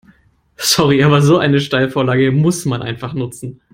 Sorry, aber so eine Steilvorlage muss man einfach nutzen.